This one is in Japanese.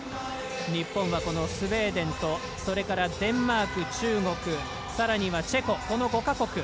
日本はこのスウェーデンとそれからデンマーク、中国さらにはチェコ、この５か国。